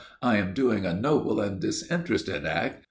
"I am doing a noble and disinterested act.